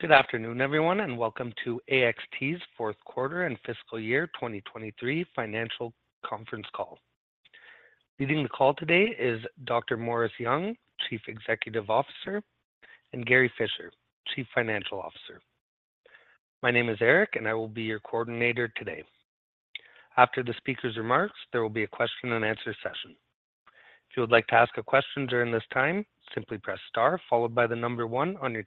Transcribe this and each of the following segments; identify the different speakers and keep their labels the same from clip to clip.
Speaker 1: Good afternoon, everyone, and welcome to AXT's fourth quarter and fiscal year 2023 financial conference call. Leading the call today is Dr. Morris Young, Chief Executive Officer, and Gary Fischer, Chief Financial Officer. My name is Eric, and I will be your coordinator today. After the speaker's remarks, there will be a question and answer session. If you would like to ask a question during this time, simply press star followed by the number one on your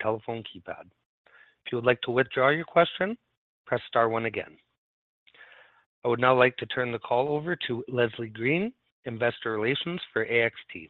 Speaker 1: telephone keypad. If you would like to withdraw your question, press star one again. I would now like to turn the call over to Leslie Green, Investor Relations for AXT.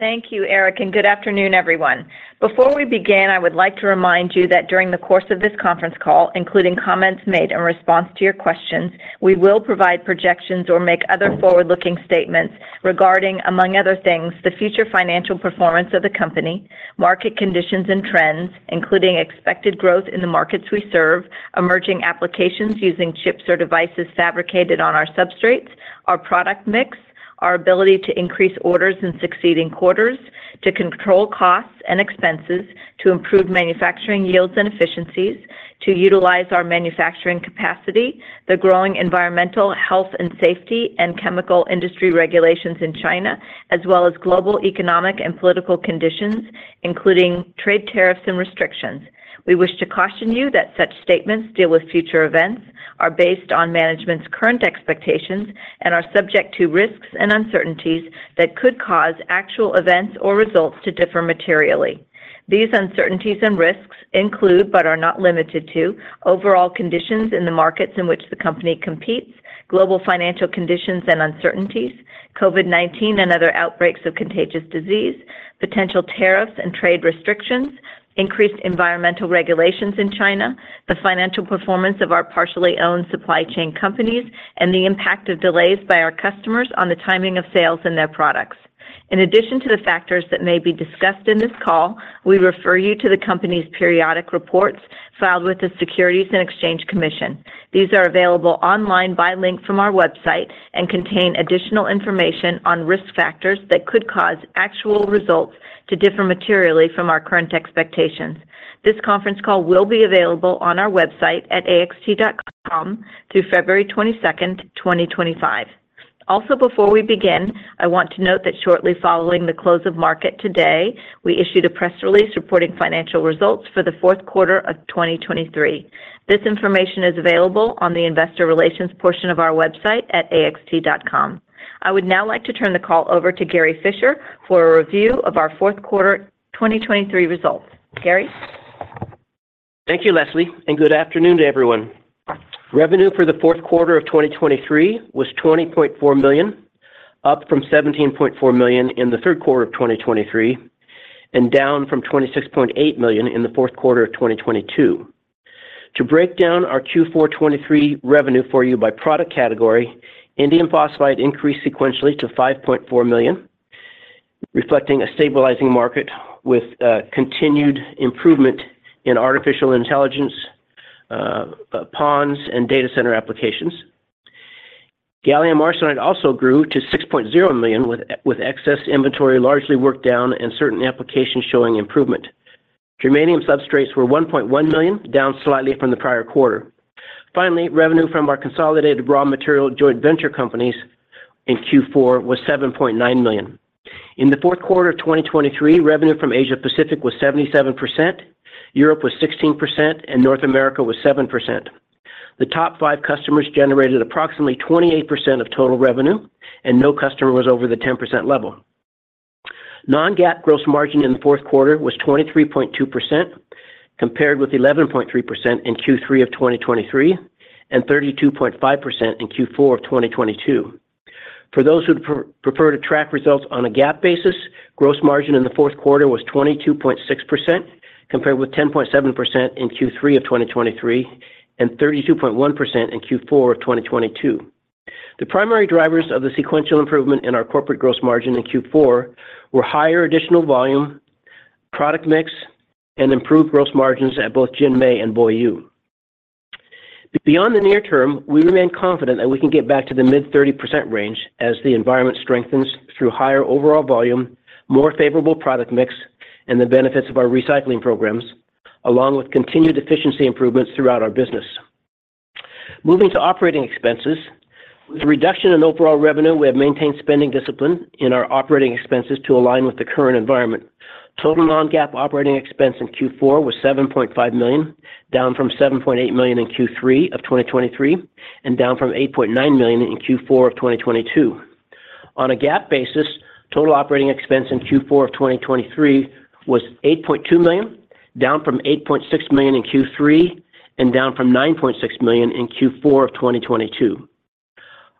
Speaker 2: Thank you, Eric, and good afternoon, everyone. Before we begin, I would like to remind you that during the course of this conference call, including comments made in response to your questions, we will provide projections or make other forward-looking statements regarding, among other things, the future financial performance of the company, market conditions and trends, including expected growth in the markets we serve, emerging applications using chips or devices fabricated on our substrates, our product mix, our ability to increase orders in succeeding quarters, to control costs and expenses, to improve manufacturing yields and efficiencies, to utilize our manufacturing capacity, the growing environmental, health and safety and chemical industry regulations in China, as well as global, economic, and political conditions, including trade tariffs and restrictions. We wish to caution you that such statements deal with future events, are based on management's current expectations, and are subject to risks and uncertainties that could cause actual events or results to differ materially. These uncertainties and risks include, but are not limited to, overall conditions in the markets in which the company competes, global financial conditions and uncertainties, COVID-19 and other outbreaks of contagious disease, potential tariffs and trade restrictions, increased environmental regulations in China, the financial performance of our partially owned supply chain companies, and the impact of delays by our customers on the timing of sales and their products. In addition to the factors that may be discussed in this call, we refer you to the company's periodic reports filed with the Securities and Exchange Commission. These are available online by link from our website and contain additional information on risk factors that could cause actual results to differ materially from our current expectations. This conference call will be available on our website at axt.com through February 22nd, 2025. Also, before we begin, I want to note that shortly following the close of market today, we issued a press release reporting financial results for the fourth quarter of 2023. This information is available on the investor relations portion of our website at axt.com. I would now like to turn the call over to Gary Fischer for a review of our fourth quarter 2023 results. Gary?
Speaker 3: Thank you, Leslie, and good afternoon to everyone. Revenue for the fourth quarter of 2023 was $20.4 million, up from $17.4 million in the third quarter of 2023, and down from $26.8 million in the fourth quarter of 2022. To break down our Q4 2023 revenue for you by product category, indium phosphide increased sequentially to $5.4 million, reflecting a stabilizing market with continued improvement in artificial intelligence, PONs, and data center applications. Gallium arsenide also grew to $6.0 million, with excess inventory largely worked down and certain applications showing improvement. Germanium substrates were $1.1 million, down slightly from the prior quarter. Finally, revenue from our consolidated raw material joint venture companies in Q4 was $7.9 million. In the fourth quarter of 2023, revenue from Asia Pacific was 77%, Europe was 16%, and North America was 7%. The top five customers generated approximately 28% of total revenue, and no customer was over the 10% level. Non-GAAP gross margin in the fourth quarter was 23.2%, compared with 11.3% in Q3 of 2023 and 32.5% in Q4 of 2022. For those who prefer to track results on a GAAP basis, gross margin in the fourth quarter was 22.6%, compared with 10.7% in Q3 of 2023 and 32.1% in Q4 of 2022. The primary drivers of the sequential improvement in our corporate gross margin in Q4 were higher additional volume, product mix, and improved gross margins at both JinMei and BoYu. Beyond the near term, we remain confident that we can get back to the mid-30% range as the environment strengthens through higher overall volume, more favorable product mix, and the benefits of our recycling programs, along with continued efficiency improvements throughout our business. Moving to operating expenses. With a reduction in overall revenue, we have maintained spending discipline in our operating expenses to align with the current environment. Total non-GAAP operating expense in Q4 was $7.5 million, down from $7.8 million in Q3 of 2023, and down from $8.9 million in Q4 of 2022. On a GAAP basis, total operating expense in Q4 of 2023 was $8.2 million, down from $8.6 million in Q3, and down from $9.6 million in Q4 of 2022.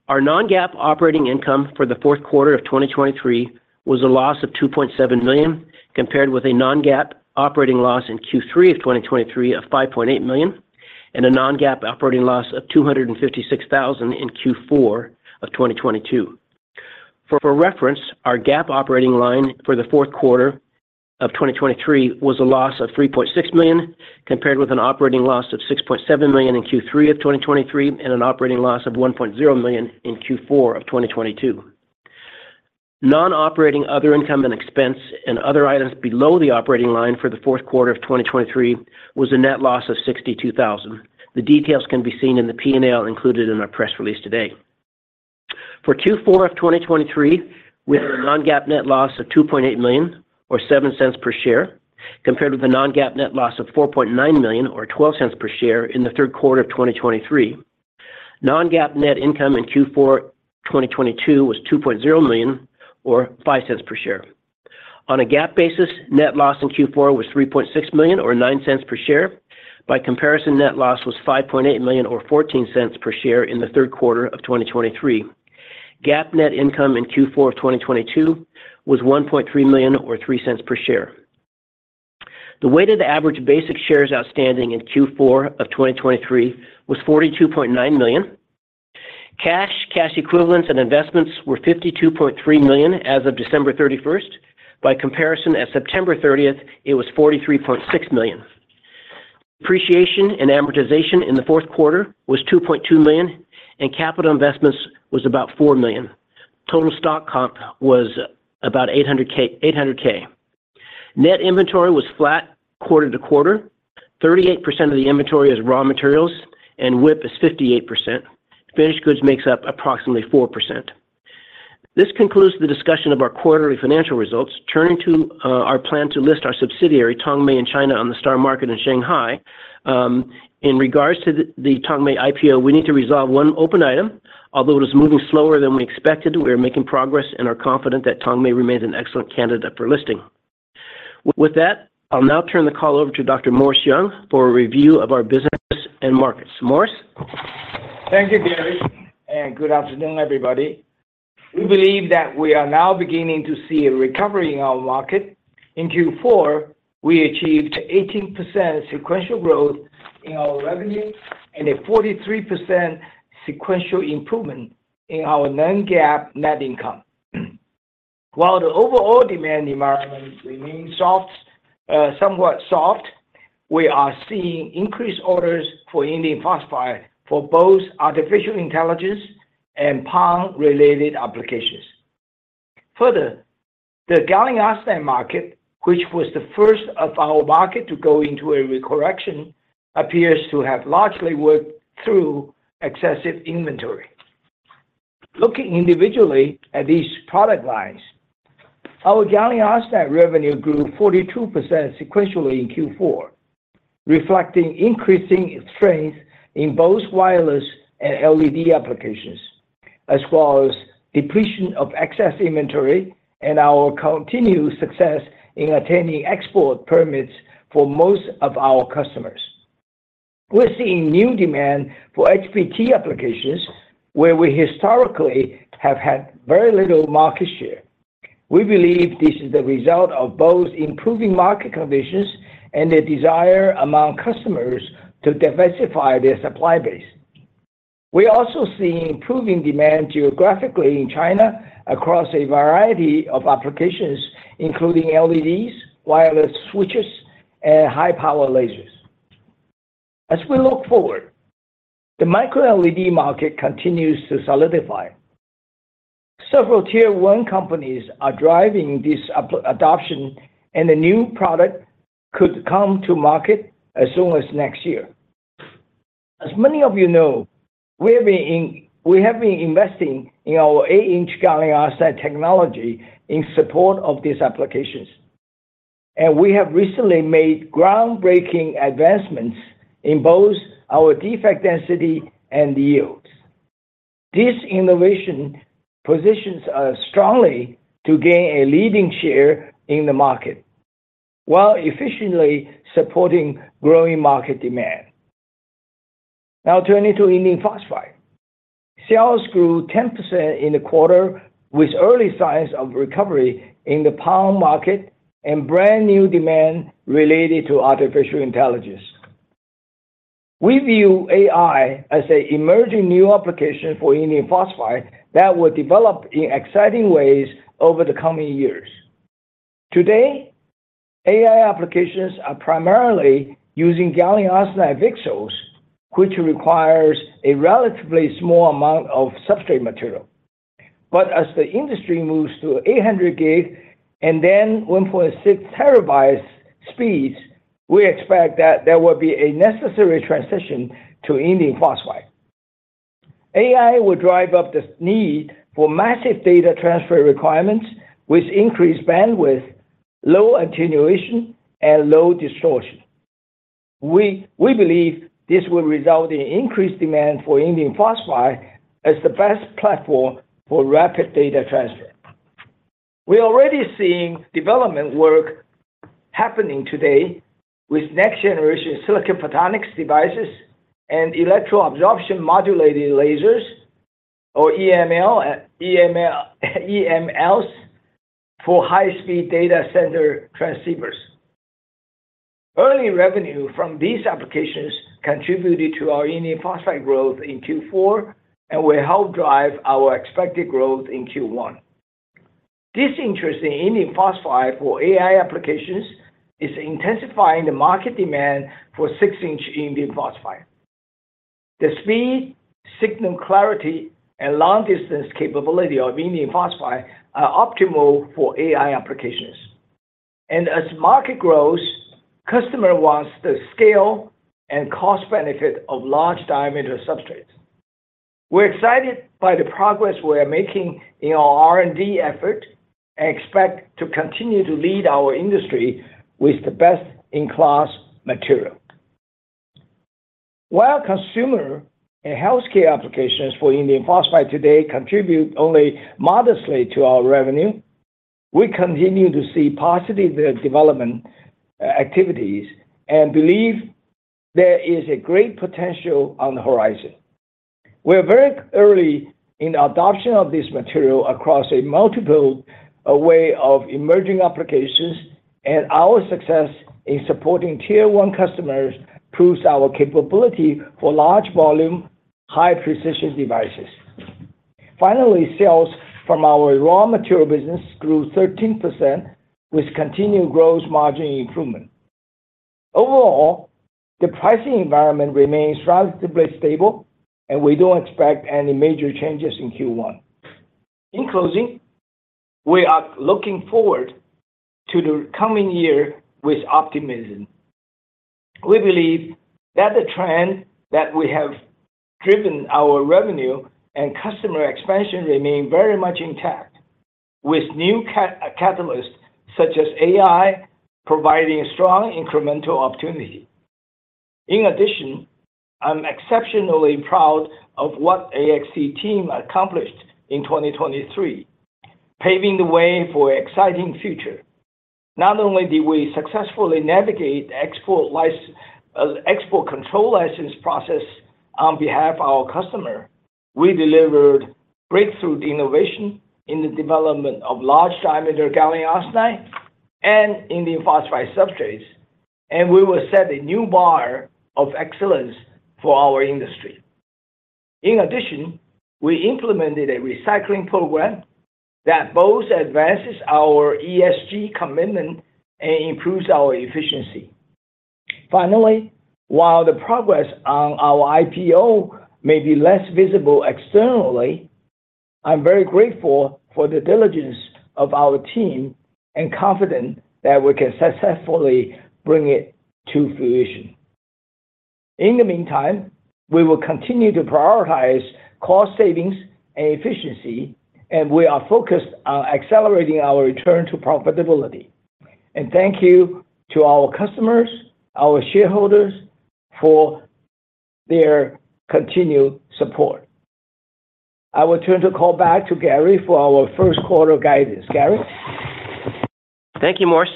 Speaker 3: Our non-GAAP operating income for the fourth quarter of 2023 was a loss of $2.7 million, compared with a non-GAAP operating loss in Q3 of 2023 of $5.8 million, and a non-GAAP operating loss of $256,000 in Q4 of 2022. For reference, our GAAP operating line for the fourth quarter of 2023 was a loss of $3.6 million, compared with an operating loss of $6.7 million in Q3 of 2023, and an operating loss of $1.0 million in Q4 of 2022. Non-operating other income and expense and other items below the operating line for the fourth quarter of 2023 was a net loss of $62,000. The details can be seen in the P&L included in our press release today. For Q4 of 2023, we had a non-GAAP net loss of $2.8 million or $0.07 per share, compared with a non-GAAP net loss of $4.9 million or $0.12 per share in the third quarter of 2023. Non-GAAP net income in Q4 2022 was $2.0 million or $0.05 per share. On a GAAP basis, net loss in Q4 was $3.6 million or $0.09 per share. By comparison, net loss was $5.8 million or $0.14 per share in the third quarter of 2023. GAAP net income in Q4 of 2022 was $1.3 million or $0.03 per share. The weighted average basic shares outstanding in Q4 of 2023 was 42.9 million. Cash, cash equivalents, and investments were $52.3 million as of December 31. By comparison, as September 30, it was $43.6 million. Depreciation and amortization in the fourth quarter was $2.2 million, and capital investments was about $4 million. Total stock comp was about $800,000, $800,000. Net inventory was flat quarter-to-quarter. 38% of the inventory is raw materials and WIP is 58%. Finished goods makes up approximately 4%. This concludes the discussion of our quarterly financial results. Turning to our plan to list our subsidiary, Tongmei in China, on the STAR Market in Shanghai. In regards to the Tongmei IPO, we need to resolve one open item. Although it is moving slower than we expected, we are making progress and are confident that Tongmei remains an excellent candidate for listing. With that, I'll now turn the call over to Dr. Morris Young for a review of our business and markets. Morris?
Speaker 4: Thank you, Gary, and good afternoon, everybody. We believe that we are now beginning to see a recovery in our market. In Q4, we achieved 18% sequential growth in our revenue and a 43% sequential improvement in our non-GAAP net income. While the overall demand environment remains soft, somewhat soft, we are seeing increased orders for indium phosphide for both artificial intelligence and PON-related applications. Further, the gallium arsenide market, which was the first of our market to go into a correction, appears to have largely worked through excessive inventory. Looking individually at these product lines, our gallium arsenide revenue grew 42% sequentially in Q4, reflecting increasing strength in both wireless and LED applications, as well as depletion of excess inventory and our continued success in attaining export permits for most of our customers. We're seeing new demand for HBT applications, where we historically have had very little market share. We believe this is the result of both improving market conditions and the desire among customers to diversify their supply base. We're also seeing improving demand geographically in China across a variety of applications, including LEDs, wireless switches, and high-power lasers. As we look forward, the Micro LED market continues to solidify. Several Tier 1 companies are driving this adoption, and a new product could come to market as soon as next year. As many of you know, we have been investing in our 8-inch gallium arsenide technology in support of these applications, and we have recently made groundbreaking advancements in both our defect density and yields. This innovation positions us strongly to gain a leading share in the market while efficiently supporting growing market demand. Now, turning to indium phosphide. Sales grew 10% in the quarter, with early signs of recovery in the PON market and brand-new demand related to artificial intelligence. We view AI as an emerging new application for indium phosphide that will develop in exciting ways over the coming years. Today, AI applications are primarily using gallium arsenide VCSELs, which requires a relatively small amount of substrate material. But as the industry moves to 800 Gb and then 1.6 Tb speeds, we expect that there will be a necessary transition to indium phosphide. AI will drive up the need for massive data transfer requirements with increased bandwidth, low attenuation, and low distortion. We believe this will result in increased demand for indium phosphide as the best platform for rapid data transfer. We're already seeing development work happening today with next-generation silicon photonics devices and electro-absorption modulated lasers or EML, EML, EMLs, for high-speed data center transceivers. Early revenue from these applications contributed to our indium phosphide growth in Q4 and will help drive our expected growth in Q1. This interest in indium phosphide for AI applications is intensifying the market demand for 6-inch indium phosphide. The speed, signal clarity, and long-distance capability of indium phosphide are optimal for AI applications. And as market grows, customer wants the scale and cost benefit of large diameter substrates. We're excited by the progress we are making in our R&D effort, and expect to continue to lead our industry with the best-in-class material. While consumer and healthcare applications for indium phosphide today contribute only modestly to our revenue, we continue to see positive development, activities, and believe there is a great potential on the horizon. We are very early in adoption of this material across a multiple array of emerging applications, and our success in supporting Tier 1 customers proves our capability for large volume, high precision devices. Finally, sales from our raw material business grew 13%, with continued gross margin improvement. Overall, the pricing environment remains relatively stable, and we don't expect any major changes in Q1. In closing, we are looking forward to the coming year with optimism. We believe that the trend that we have driven our revenue and customer expansion remain very much intact, with new catalysts, such as AI, providing strong incremental opportunity. In addition, I'm exceptionally proud of what AXT team accomplished in 2023, paving the way for exciting future. Not only did we successfully navigate the export license, export control license process on behalf of our customer, we delivered breakthrough innovation in the development of large diameter gallium arsenide and indium phosphide substrates, and we will set a new bar of excellence for our industry. In addition, we implemented a recycling program that both advances our ESG commitment and improves our efficiency. Finally, while the progress on our IPO may be less visible externally, I'm very grateful for the diligence of our team and confident that we can successfully bring it to fruition. In the meantime, we will continue to prioritize cost savings and efficiency, and we are focused on accelerating our return to profitability. Thank you to our customers, our shareholders, for their continued support. I will turn the call back to Gary for our first quarter guidance. Gary?
Speaker 3: Thank you, Morris.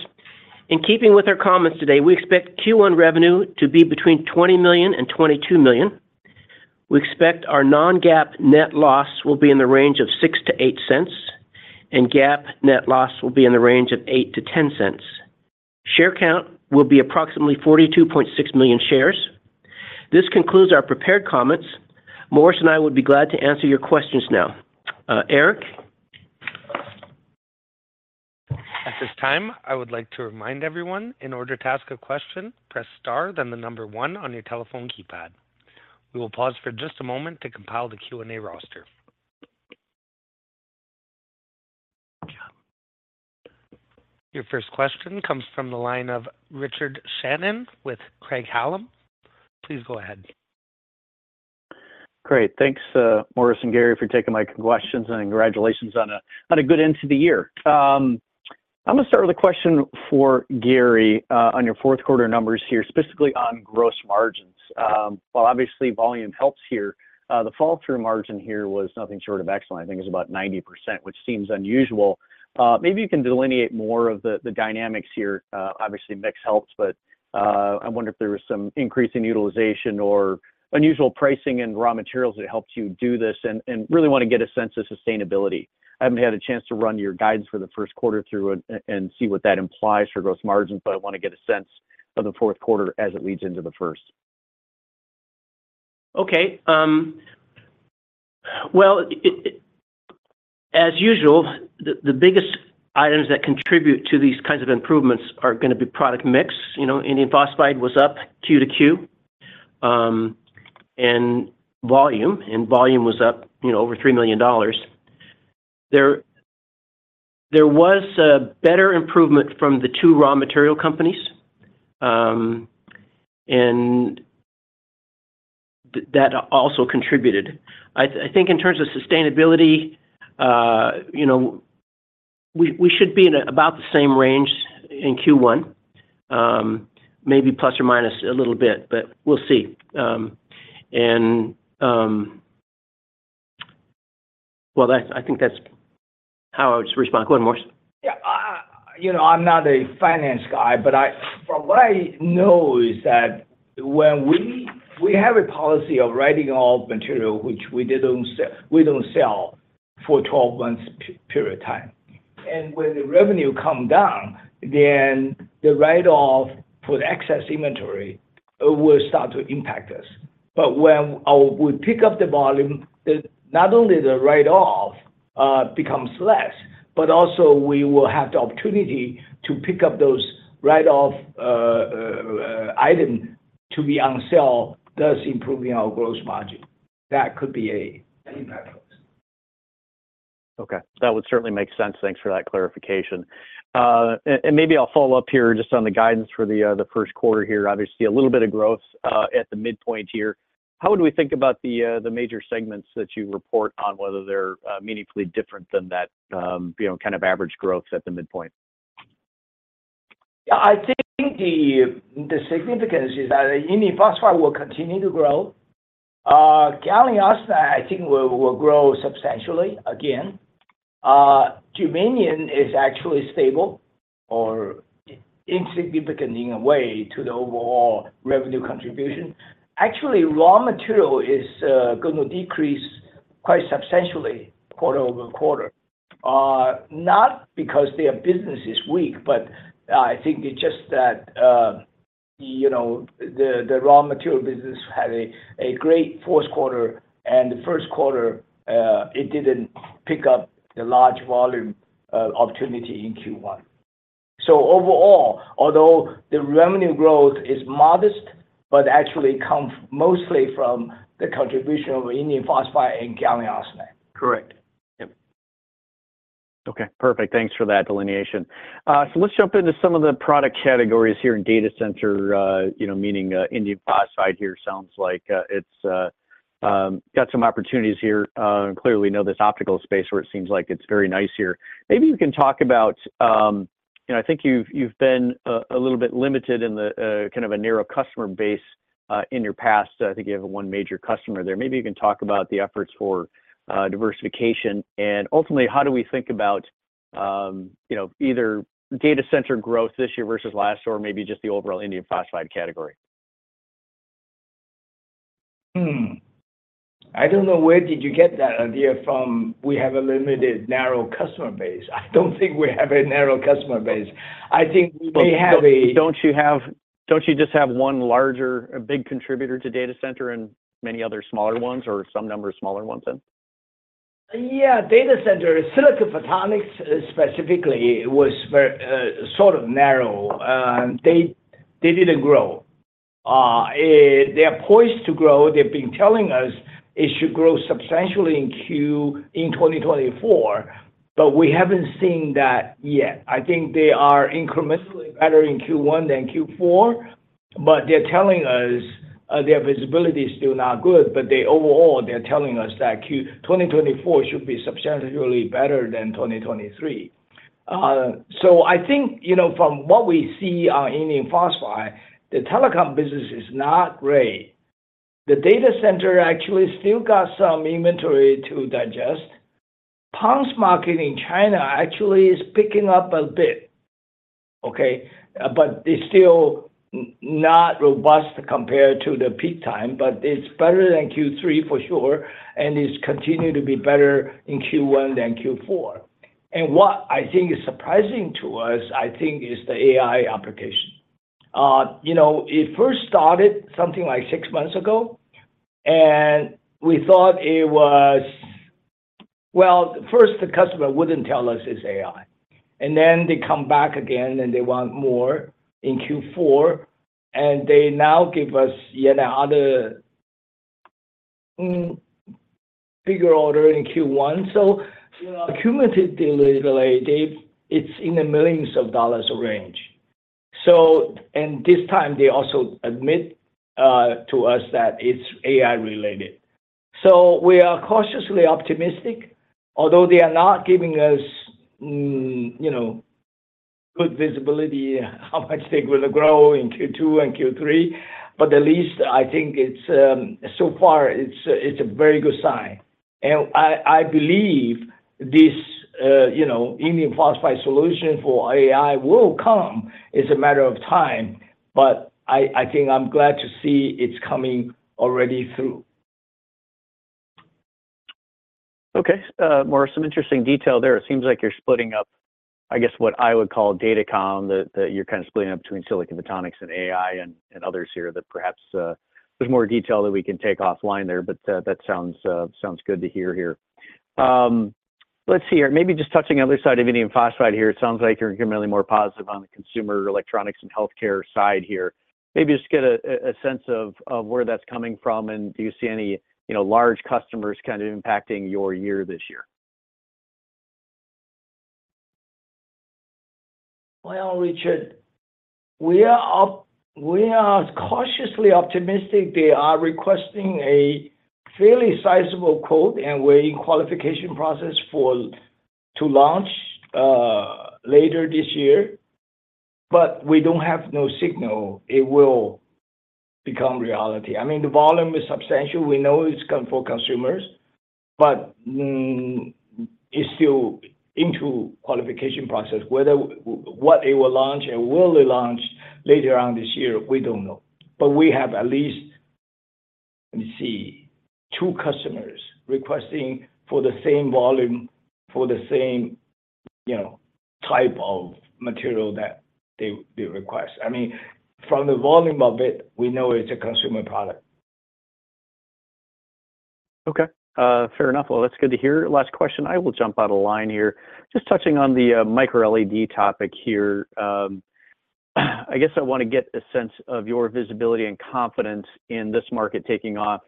Speaker 3: In keeping with our comments today, we expect Q1 revenue to be between $20 million and $22 million. We expect our non-GAAP net loss will be in the range of $0.06-$0.08, and GAAP net loss will be in the range of $0.08-$0.10. Share count will be approximately 42.6 million shares. This concludes our prepared comments. Morris and I would be glad to answer your questions now. Eric?
Speaker 1: At this time, I would like to remind everyone, in order to ask a question, press star, then the number one on your telephone keypad. We will pause for just a moment to compile the Q&A roster. Your first question comes from the line of Richard Shannon with Craig-Hallum. Please go ahead.
Speaker 5: Great. Thanks, Morris and Gary, for taking my questions, and congratulations on a good end to the year. I'm gonna start with a question for Gary, on your fourth quarter numbers here, specifically on gross margins. Well, obviously, volume helps here. The fall-through margin here was nothing short of excellent, I think it's about 90%, which seems unusual. Maybe you can delineate more of the dynamics here. Obviously, mix helps, but I wonder if there was some increase in utilization or unusual pricing in raw materials that helped you do this, and really want to get a sense of sustainability. I haven't had a chance to run your guidance for the first quarter through and see what that implies for gross margins, but I want to get a sense of the fourth quarter as it leads into the first.
Speaker 3: Okay, well, it, as usual, the biggest items that contribute to these kinds of improvements are gonna be product mix. You know, indium phosphide was up Q-to-Q, and volume, and volume was up, you know, over $3 million. There was a better improvement from the two raw material companies, and that also contributed. I think in terms of sustainability, you know, we should be in about the same range in Q1, maybe plus or minus a little bit, but we'll see. Well, that's, I think that's how I just respond. Go ahead, Morris.
Speaker 4: Yeah, you know, I'm not a finance guy, but from what I know, is that when we have a policy of writing off material, which we didn't sell we don't sell for 12 months period of time. When the revenue come down, then the write-off for the excess inventory will start to impact us. But when we pick up the volume, not only the write-off becomes less, but also we will have the opportunity to pick up those write-off item to be on sale, thus improving our gross margin. That could be a impact on us.
Speaker 5: Okay, that would certainly make sense. Thanks for that clarification. And maybe I'll follow up here just on the guidance for the first quarter here. Obviously, a little bit of growth at the midpoint here. How would we think about the major segments that you report on, whether they're meaningfully different than that, you know, kind of average growth at the midpoint?
Speaker 4: Yeah, I think the significance is that indium phosphide will continue to grow. Gallium arsenide, I think will grow substantially again. Germanium is actually stable or insignificant in a way to the overall revenue contribution. Actually, raw material is gonna decrease quite substantially quarter-over-quarter. Not because their business is weak, but I think it's just that, you know, the raw material business had a great fourth quarter, and the first quarter it didn't pick up the large volume opportunity in Q1. So overall, although the revenue growth is modest, but actually come mostly from the contribution of indium phosphide and gallium arsenide.
Speaker 5: Correct. Yep. Okay, perfect. Thanks for that delineation. So let's jump into some of the product categories here in data center, you know, meaning indium phosphide here sounds like it's got some opportunities here. Clearly, you know this optical space where it seems like it's very nice here. Maybe you can talk about, you know, I think you've been a little bit limited in the kind of a narrow customer base in your past. I think you have one major customer there. Maybe you can talk about the efforts for diversification, and ultimately, how do we think about, you know, either data center growth this year versus last, or maybe just the overall indium phosphide category?
Speaker 4: I don't know where did you get that idea from? We have a limited, narrow customer base. I don't think we have a narrow customer base. I think we have a-
Speaker 5: Don't you just have one larger, a big contributor to data center and many other smaller ones, or some number of smaller ones then?
Speaker 4: Yeah, data center, silicon photonics, specifically, was very, sort of, narrow. They, they didn't grow. They are poised to grow. They've been telling us it should grow substantially in Q1 2024, but we haven't seen that yet. I think they are incrementally better in Q1 than Q4, but they're telling us, their visibility is still not good, but they overall, they're telling us that Q1 2024 should be substantially better than 2023. So I think, you know, from what we see on indium phosphide, the telecom business is not great. The data center actually still got some inventory to digest. PONs market in China actually is picking up a bit, okay, but it's still not robust compared to the peak time, but it's better than Q3, for sure, and it's continued to be better in Q1 than Q4. What I think is surprising to us, I think, is the AI application. You know, it first started something like six months ago, and we thought it was... Well, first, the customer wouldn't tell us it's AI, and then they come back again, and they want more in Q4, and they now give us yet another bigger order in Q1. So cumulatively, literally, they—it's in the millions of dollars of range. So, and this time, they also admit to us that it's AI-related. So we are cautiously optimistic, although they are not giving us, you know, good visibility, how much they will grow in Q2 and Q3, but at least I think it's so far it's a very good sign. And I believe this, you know, indium phosphide solution for AI will come. It's a matter of time, but I think I'm glad to see it's coming already through.
Speaker 5: Okay, more some interesting detail there. It seems like you're splitting up, I guess, what I would call datacom, that you're kind of splitting up between silicon photonics and AI and others here, that perhaps there's more detail that we can take offline there, but that sounds good to hear here. Let's see here. Maybe just touching the other side of indium phosphide here, it sounds like you're generally more positive on the consumer electronics and healthcare side here. Maybe just get a sense of where that's coming from, and do you see any, you know, large customers kind of impacting your year this year?
Speaker 4: Well, Richard, we are cautiously optimistic. They are requesting a fairly sizable quote, and we're in qualification process to launch later this year, but we don't have no signal it will become reality. I mean, the volume is substantial. We know it's come for consumers, but it's still into qualification process. Whether what they will launch and will they launch later on this year, we don't know. But we have at least, let me see, two customers requesting for the same volume, for the same, you know, type of material that they request. I mean, from the volume of it, we know it's a consumer product.
Speaker 5: Okay, fair enough. Well, that's good to hear. Last question, I will jump out of line here. Just touching on the Micro LED topic here. I guess I wanna get a sense of your visibility and confidence in this market taking off.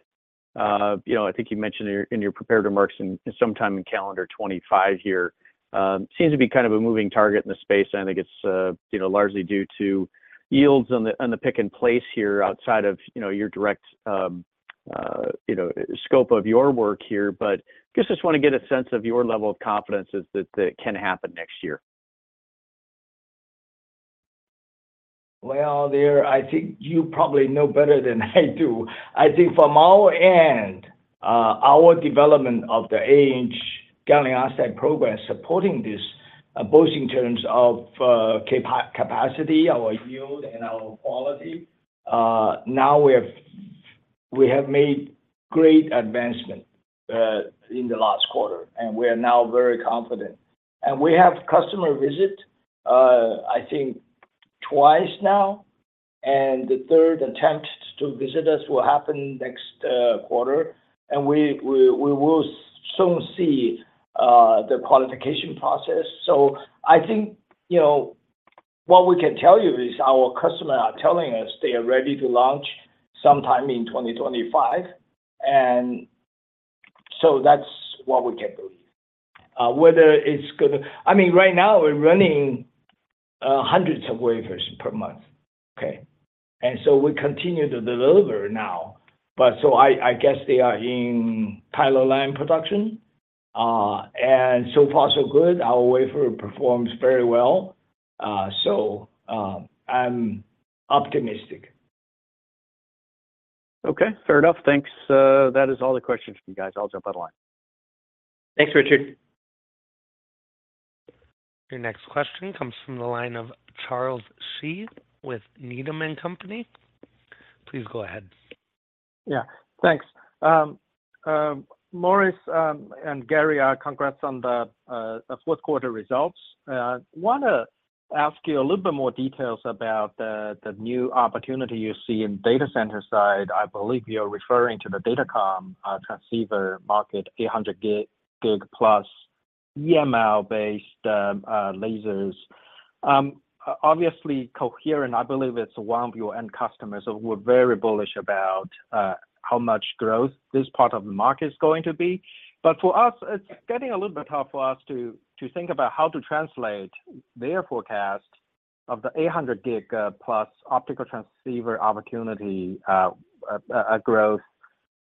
Speaker 5: You know, I think you mentioned in your prepared remarks in sometime in calendar 2025 here, seems to be kind of a moving target in the space. I think it's you know, largely due to yields on the pick and place here outside of you know, your direct you know, scope of your work here, but just wanna get a sense of your level of confidence is that that can happen next year.
Speaker 4: Well, there, I think you probably know better than I do. I think from our end, our development of the 8-inch gallium arsenide program supporting this, both in terms of capacity, our yield, and our quality, now we have made great advancement in the last quarter, and we are now very confident. And we have customer visit, I think twice now, and the third attempt to visit us will happen next quarter, and we will soon see the qualification process. So I think, you know, what we can tell you is our customer are telling us they are ready to launch sometime in 2025, and so that's what we can believe. Whether it's gonna—I mean, right now, we're running hundreds of wafers per month, okay? We continue to deliver now, but so I guess they are in pilot line production, and so far, so good. Our wafer performs very well, so I'm optimistic.
Speaker 5: Okay, fair enough. Thanks. That is all the questions for you guys. I'll jump out of line.
Speaker 4: Thanks, Richard.
Speaker 1: Your next question comes from the line of Charles Shi with Needham & Company. Please go ahead.
Speaker 6: Yeah. Thanks. Morris, and Gary, congrats on the fourth quarter results. Wanna ask you a little bit more details about the new opportunity you see in data center side. I believe you're referring to the datacom transceiver market, 800 Gb+ EML-based lasers. Obviously, Coherent, I believe it's one of your end customers, so we're very bullish about how much growth this part of the market is going to be. But for us, it's getting a little bit hard for us to think about how to translate their forecast of the 800 Gb+ optical transceiver opportunity growth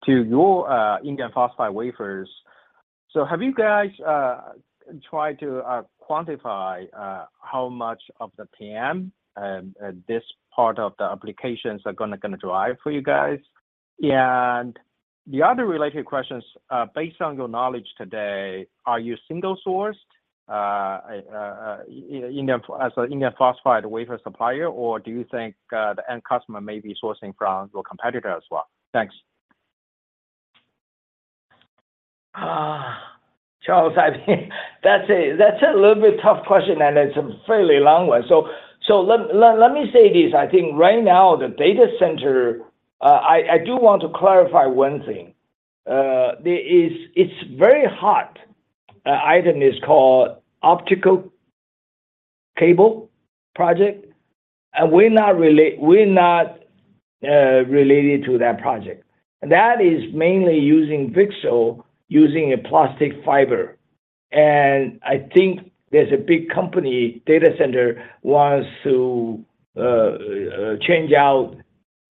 Speaker 6: to your indium phosphide wafers. So have you guys tried to quantify how much of the PM this part of the applications are gonna drive for you guys? And the other related questions based on your knowledge today, are you single-sourced indium as an indium phosphide wafer supplier, or do you think the end customer may be sourcing from your competitor as well? Thanks.
Speaker 4: Ah, Charles, I think that's a little bit tough question, and it's a fairly long one. So, let me say this. I think right now, the data center, I do want to clarify one thing. There is. It's very hot. An item is called optical cable project, and we're not related to that project. That is mainly using VCSEL, using a plastic fiber. And I think there's a big company, data center, wants to change out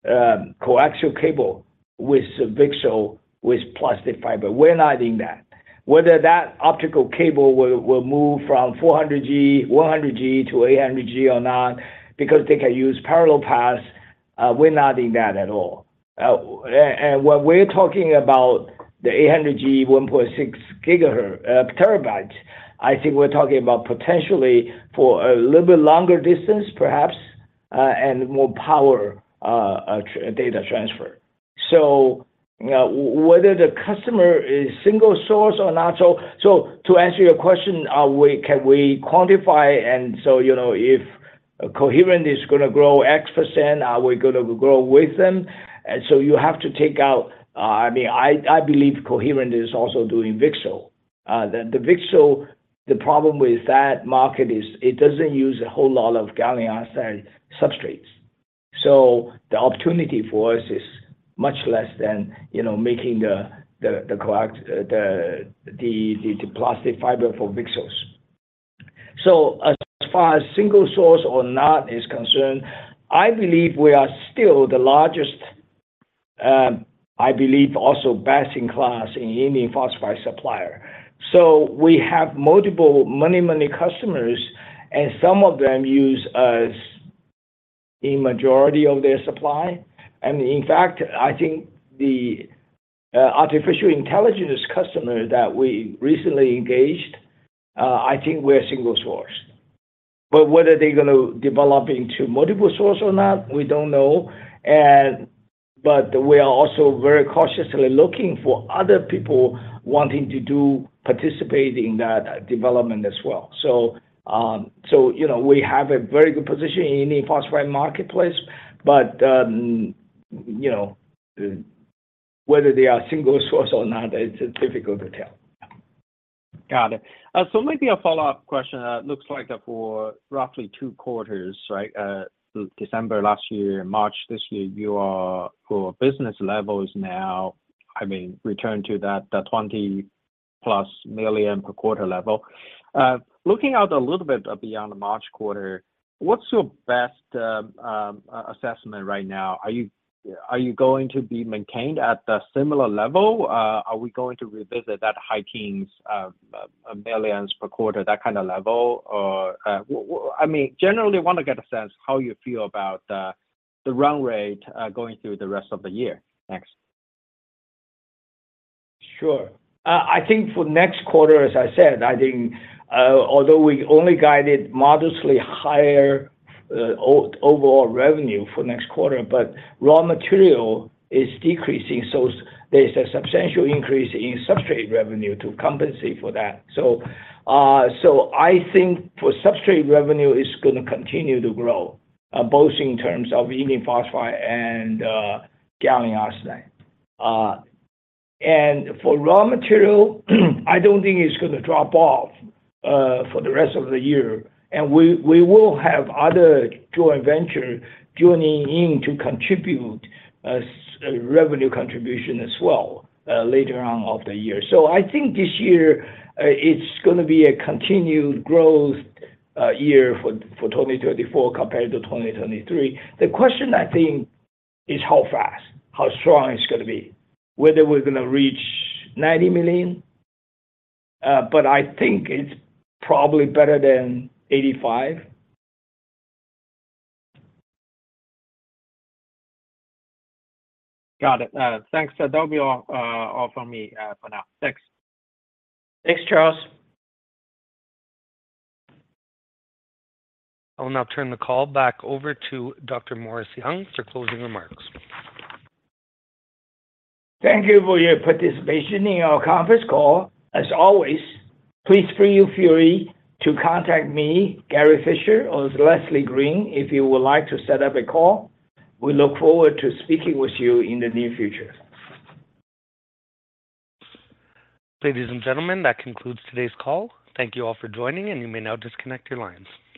Speaker 4: coaxial cable with VCSEL, with plastic fiber. We're not in that. Whether that optical cable will move from 400 Gb, 100 Gb to 800 Gb or not, because they can use parallel paths, we're not in that at all. And when we're talking about the 800 Gb, 1.6 Tb, I think we're talking about potentially for a little bit longer distance, perhaps, and more power, data transfer. So, you know, whether the customer is single source or not. So, to answer your question, can we quantify? And so, you know, if Coherent is gonna grow X percent, are we gonna grow with them? And so you have to take out, I mean, I believe Coherent is also doing VCSEL. The VCSEL, the problem with that market is it doesn't use a whole lot of gallium arsenide substrates. So the opportunity for us is much less than, you know, making the correct plastic fiber for VCSELs. So as far as single source or not is concerned, I believe we are still the largest. I believe also best-in-class in indium phosphide supplier. So we have multiple, many customers, and some of them use us in majority of their supply. And in fact, I think the artificial intelligence customer that we recently engaged, I think we're a single source. But whether they're gonna develop into multiple source or not, we don't know. And but we are also very cautiously looking for other people wanting to do, participate in that development as well. So, so you know, we have a very good position in the phosphide marketplace, but you know, whether they are single source or not, it's difficult to tell.
Speaker 6: Got it. So maybe a follow-up question. It looks like that for roughly two quarters, right? December last year, March this year, you are, for business level is now, I mean, returned to that $20+ million per quarter level. Looking out a little bit beyond the March quarter, what's your best assessment right now? Are you going to be maintained at the similar level? Are we going to revisit that high teens millions per quarter, that kind of level? Or, I mean, generally, want to get a sense how you feel about the run rate going through the rest of the year? Thanks.
Speaker 4: Sure. I think for next quarter, as I said, I think, although we only guided modestly higher, overall revenue for next quarter, but raw material is decreasing, so there's a substantial increase in substrate revenue to compensate for that. So, so I think for substrate revenue, it's gonna continue to grow, both in terms of indium phosphide and, gallium arsenide. And for raw material, I don't think it's gonna drop off, for the rest of the year. And we will have other joint venture joining in to contribute a revenue contribution as well, later on of the year. So I think this year, it's gonna be a continued growth, year for 2024 compared to 2023. The question, I think, is how fast, how strong it's gonna be, whether we're gonna reach $90 million, but I think it's probably better than $85 million.
Speaker 6: Got it. Thanks. So that'll be all for me, for now. Thanks.
Speaker 4: Thanks, Charles.
Speaker 1: I will now turn the call back over to Dr. Morris Young for closing remarks.
Speaker 4: Thank you for your participation in our conference call. As always, please feel free to contact me, Gary Fischer, or Leslie Green, if you would like to set up a call. We look forward to speaking with you in the near future.
Speaker 1: Ladies and gentlemen, that concludes today's call. Thank you all for joining, and you may now disconnect your lines.